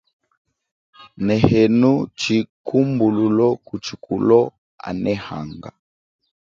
Nehenu chikumbululo ku chikulo anehanga.